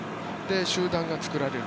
集団が作られる。